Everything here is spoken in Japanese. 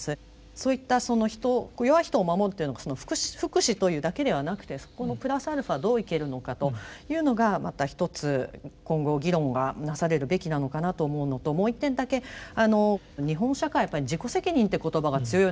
そういったその人弱い人を守るというのが福祉というだけではなくてそこのプラスアルファどう生きるのかというのがまたひとつ今後議論がなされるべきなのかなと思うのともう一点だけ日本社会はやっぱり自己責任って言葉が強いのかなと。